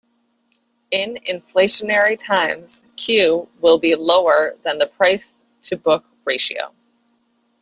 In inflationary times, Q will be lower than the price-to-book ratio.